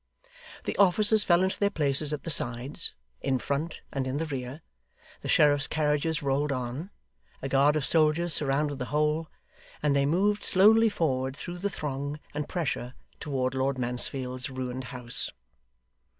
The officers fell into their places at the sides, in front and in the rear; the sheriffs' carriages rolled on; a guard of soldiers surrounded the whole; and they moved slowly forward through the throng and pressure toward Lord Mansfield's ruined house.